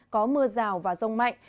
có mưa rào và rông mạnh